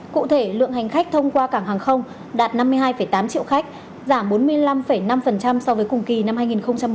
cụ thể lượng hành khách thông qua cảng hàng không đạt năm mươi hai tám triệu khách giảm bốn mươi năm năm so với cùng kỳ năm hai nghìn một mươi chín